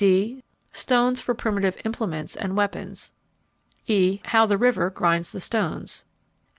(d) Stones for primitive implements and weapons. (e) How the river grinds the stones.